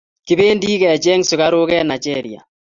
Kipendi ke cheng sukaruk en nigeria